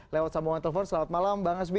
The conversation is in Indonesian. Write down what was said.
lewat sambungan telepon selamat malam bang hasbi